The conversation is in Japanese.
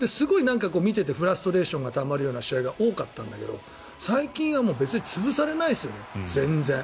見ていてフラストレーションがたまるような試合が多かったんだけど最近は潰されないですよね。